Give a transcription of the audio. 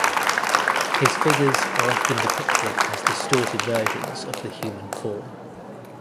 His figures are often depicted as distorted versions of the human form.